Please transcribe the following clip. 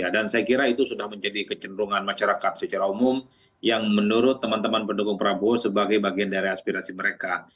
dan saya kira itu sudah menjadi kecenderungan masyarakat secara umum yang menurut teman teman pendukung prabowo sebagai bagian dari aspirasi mereka